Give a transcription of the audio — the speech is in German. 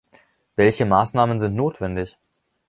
Welche Maßnahmen sind notwendig?